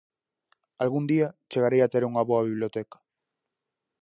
Algún día chegarei a ter unha boa biblioteca.